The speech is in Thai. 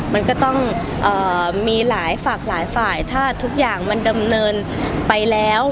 มันก็ต้องมีหลายฝากหลายฝ่ายถ้าทุกอย่างมันดำเนินไปแล้ว